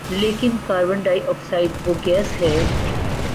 لیکن carbon dioxide وہ gas ہے